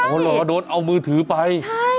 อ๋อเหรอโดนเอามือถือไป